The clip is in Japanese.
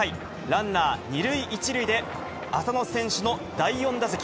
ランナー２塁１塁で、浅野選手の第４打席。